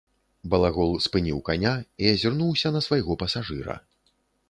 Балагол спыніў каня і азірнуўся на свайго пасажыра.